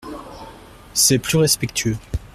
C’est plus respectueux.